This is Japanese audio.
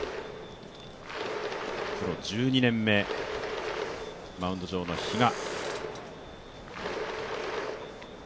プロ１２年目、マウンド上の比嘉。